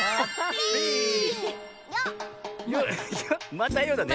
また「よ」だね。